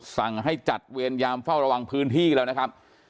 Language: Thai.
สั่งให้จัดเวรยามเฝ้าระวังพื้นที่แล้วนะครับ